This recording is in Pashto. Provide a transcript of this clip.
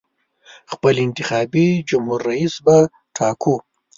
خپل انتخابي جمهور رییس به ټاکو.